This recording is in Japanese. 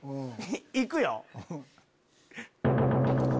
行くよ。